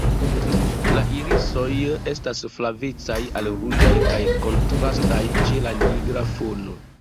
La irisoj estas flavecaj al ruĝaj kaj kontrastaj ĉe la nigra fono.